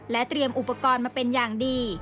เตรียมอุปกรณ์มาเป็นอย่างดี